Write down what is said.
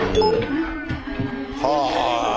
はあ。